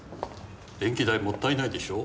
電気代もったいないでしょ